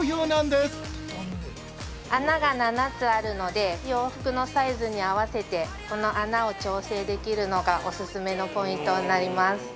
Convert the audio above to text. ◆穴が７つあるので洋服のサイズに合わせてこの穴を調節できるのがオススメのポイントになります。